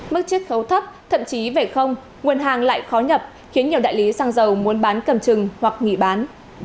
mức chiết khấu thấp thậm chí về không nguồn hàng lại khó nhập khiến nhiều đại lý xăng dầu muốn bán cầm chừng hoặc nghỉ bán